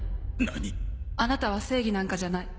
何⁉あなたは正義なんかじゃない。